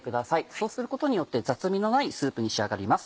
そうすることによって雑味のないスープに仕上がります。